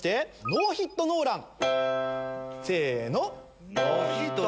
ノーヒットノーラン。